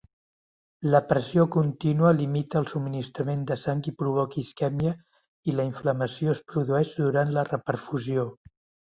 La pressió contínua limita el subministrament de sang i provoca isquèmia i la inflamació es produeix durant la reperfusió.